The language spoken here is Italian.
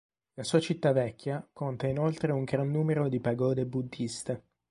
La sua città vecchia conta inoltre un gran numero di pagode buddiste.